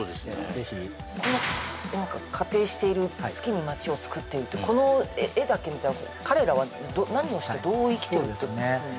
ぜひこの仮定している月に街をつくってるってこの絵だけ見たら彼らは何をしてどう生きてるってことにそうですね